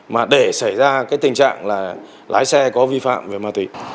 mà để xảy ra cái tình trạng là lái xe có vi phạm về ma túy